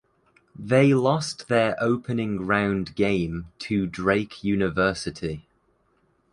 They lost their opening round game to Drake University.